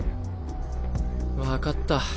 分かった。